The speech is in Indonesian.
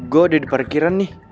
gue ada di parkiran nih